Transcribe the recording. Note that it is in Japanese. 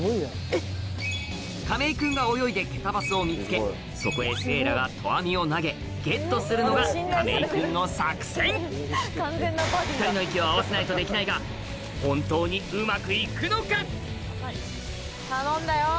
亀井君が泳いでケタバスを見つけそこへせいらが投網を投げゲットするのが亀井君の作戦２人の息を合わせないとできないが本当にうまくいくのか？